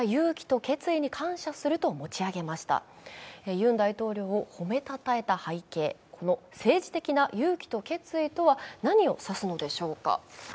ユン大統領を褒めたたえた背景、この政治的な勇気と決意とは何を指すのでしょうか。